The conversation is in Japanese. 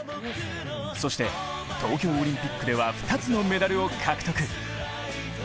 そして東京オリンピックでは２つのメダルを獲得。